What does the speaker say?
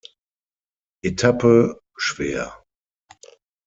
Etappe schwer.